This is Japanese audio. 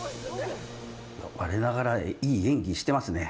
我ながらいい演技してますね。